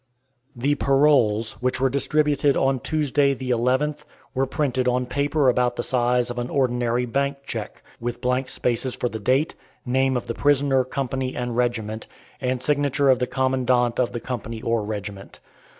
The paroles, which were distributed on Tuesday, the 11th, were printed on paper about the size of an ordinary bank check, with blank spaces for the date, name of the prisoner, company, and regiment, and signature of the commandant of the company or regiment.